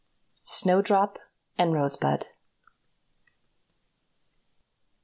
SNOWDROP AND ROSEBUD.